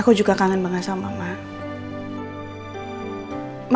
aku juga kangen banget sama emak